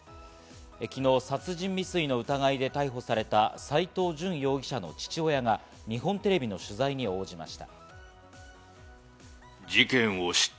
昨日、殺人未遂の疑いで逮捕された斎藤淳容疑者の父親が日本テレビの取材に応じました。